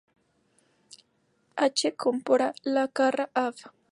H. Cámpora, Lacarra, Av.